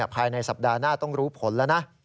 ภายในสัปดาห์หน้าต้องรู้ผลแล้วนะ